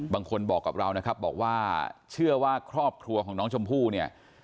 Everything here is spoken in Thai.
บางคนบอกกับเรานะครับบอกว่าเชื่อว่าครอบครัวของน้องชมพู่เนี่ย